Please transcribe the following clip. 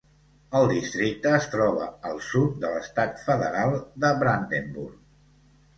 El districte es troba al sud de l'estat federal de Brandenburg.